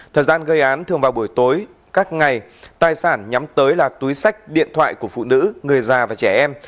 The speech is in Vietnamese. thời gian gây án thường vào buổi tối các ngày tài sản nhắm tới là túi sách điện thoại của phụ nữ người già và trẻ em